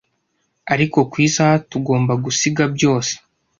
ariko ku isaha tugomba gusiga byose